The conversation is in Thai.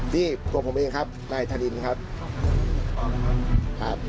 นี่ตรงผมเองครับนายธนินครับ